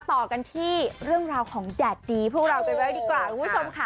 ต่อกันที่เรื่องราวของแดดดีพวกเราไปแล้วดีกว่าคุณผู้ชมค่ะ